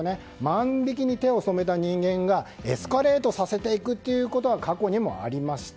万引きに手を染めた人間がエスカレートさせていくということは過去にもありました。